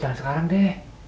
jangan sekarang deh